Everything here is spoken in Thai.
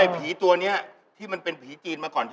ผีตัวนี้ที่มันเป็นผีจีนมาก่อน